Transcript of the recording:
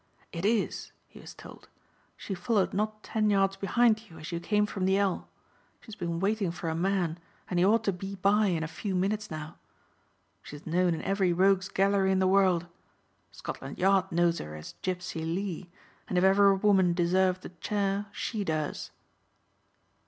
"It is," he was told; "she followed not ten yards behind you as you came from the El. She's been waiting for a man and he ought to be by in a few minutes now. She's known in every rogues' gallery in the world. Scotland Yard knows her as Gipsey Lee, and if ever a woman deserved the chair she does."